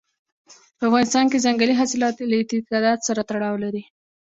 په افغانستان کې ځنګلي حاصلات له اعتقاداتو سره تړاو لري.